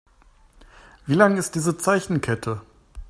Wie lang ist diese Zeichenkette?